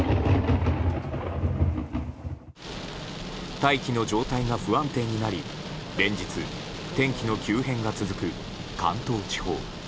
大気の状態が不安定になり連日、天気の急変が続く関東地方。